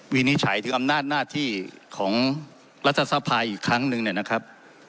วินิจฉัยถึงอำนาจหน้าที่ของรัฐสภาอีกครั้งนึงเนี่ยนะครับ